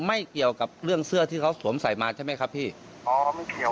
ไม่เกี่ยวกับเรื่องเสื้อที่เขาสวมใส่มาใช่ไหมครับพี่อ๋อไม่เกี่ยว